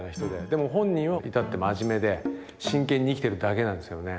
でも本人は至って真面目で真剣に生きてるだけなんですよね。